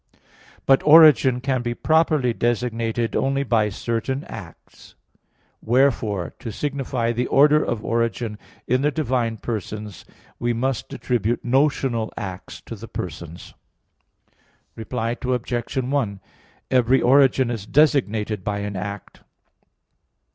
But origin can be properly designated only by certain acts. Wherefore, to signify the order of origin in the divine persons, we must attribute notional acts to the persons. Reply Obj. 1: Every origin is designated by an act.